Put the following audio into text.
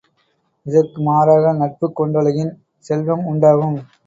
இதற்கு மாறாக நட்புக் கொண்டொழுகின் செல்வம் உணடாகும.